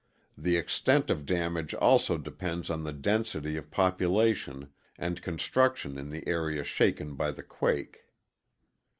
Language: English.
The extent of damage also depends on the density of population and construction in the area shaken by the quake.